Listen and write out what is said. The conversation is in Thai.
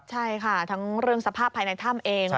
ใช่ค่ะทั้งเรื่องสภาพภายในถ้ำเอง